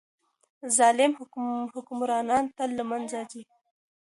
ظالم حکمرانان تل له منځه ځي.